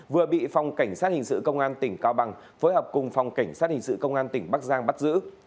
vừa bị phòng cảnh sát hình sự công an tỉnh cao bằng phối hợp cùng phòng cảnh sát hình sự công an tỉnh bắc giang bắt giữ